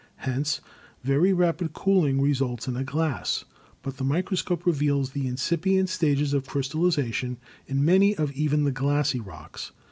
Hence very rapid cooling results in a glass, but the microscope reveals the incipient stages of crystallization in many of even the glassy rocks.